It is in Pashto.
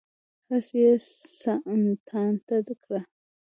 هسې یې ټانټه کړه.